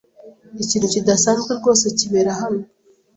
Ikintu kidasanzwe rwose kibera hano.